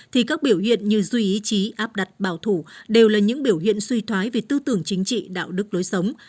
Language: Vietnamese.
thì các biểu hiện như duy ý chí áp đặt bảo thủ đều là những biểu hiện suy thoái về tư tưởng chính trị đạo đức lối sống